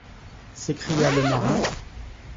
s’écria le marin